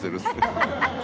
ハハハハ！